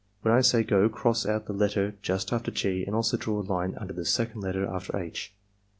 When I say 'go' cross out the letter just after G and also draw a line under the second letter after H.